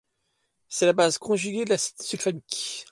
C'est la base conjuguée de l'acide sulfamique.